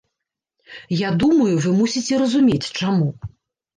Я думаю, вы мусіце разумець, чаму.